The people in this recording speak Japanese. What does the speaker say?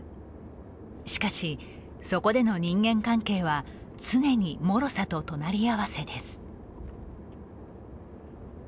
しかし、そこでの人間関係は常にもろさと隣り合わせです。